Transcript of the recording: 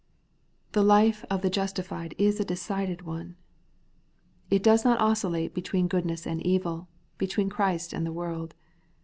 The life of the justified is a decided one* It does not oscillate between goodness and evil, between Christ and the world.